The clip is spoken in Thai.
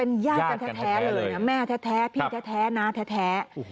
ญาติกันแท้เลยนะแม่แท้พี่แท้น้าแท้